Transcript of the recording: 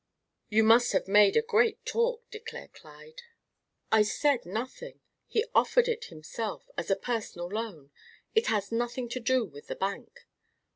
"You must have made a great talk," declared Clyde. "I said nothing. He offered it himself, as a personal loan. It has nothing to do with the bank."